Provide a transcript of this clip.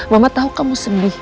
mama tau kamu sedih